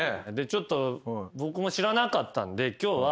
ちょっと僕も知らなかったんで今日は。